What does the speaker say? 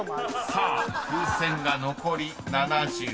［さあ風船が残り７０です］